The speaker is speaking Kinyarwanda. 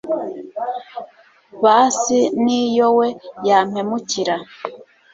basi niyo we yampemukira